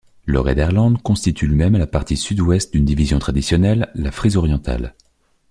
Le Rheiderland constitue lui-même la partie sud-ouest d’une division traditionnelle, la Frise orientale.